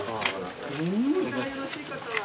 ・紅茶がよろしい方は。